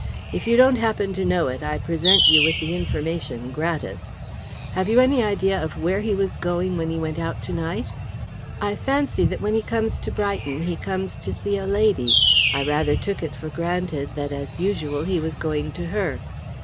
If you don't happen to know it, I present you with the information gratis. Have you any idea of where he was going when he went out to night?" "I fancy that when he comes to Brighton he comes to see a lady. I rather took it for granted that, as usual, he was going to her."